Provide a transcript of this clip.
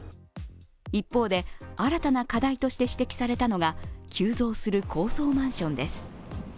一方で新たな課題として指摘されたのが急増する、高層マンションです。